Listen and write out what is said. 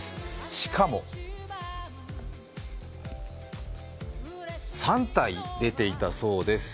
しかも、３体出ていたそうです。